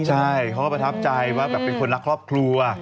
ใช่เขาก็ประทับใจว่าแบบเป็นคนรักครอบครัว